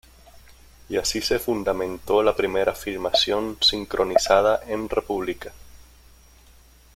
Y así se fundamentó la primera filmación sincronizada en república.